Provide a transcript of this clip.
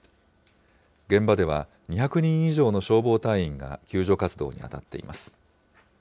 現場では、２００人以上の消防隊員が救助活動に当たっています。